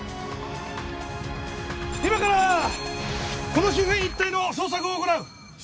今からこの周辺一帯の捜索を行う。